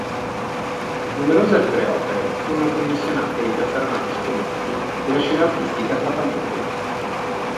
Numerose altre opere furono commissionate ai più affermati esponenti della scena artistica trapanese.